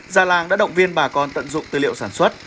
gia làng đã động viên bà con tận dụng tư liệu sản xuất